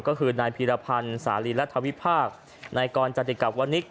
ก็คือนายภีรพันธ์สาลีและทวิภาคนายกรจัตริกับวนิก